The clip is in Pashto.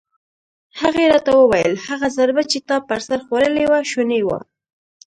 هغې راته وویل: هغه ضربه چې تا پر سر خوړلې وه شونې وه.